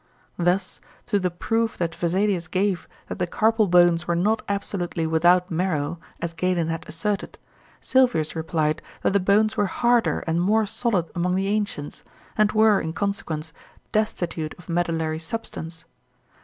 Thus, to the proof that Vesalius gave that the carpal bones were not absolutely without marrow, as Galen had asserted, Sylvius replied that the bones were harder and more solid among the ancients, and were, in consequence, destitute of medullary substance.